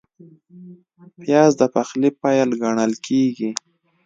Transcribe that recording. پیاز د پخلي پیل ګڼل کېږي